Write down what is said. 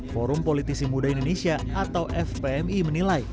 forum politisi muda indonesia atau fpmi menilai